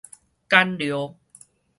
簡陋